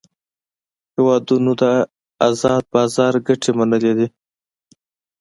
هیوادونو د آزاد بازار ګټې منلې دي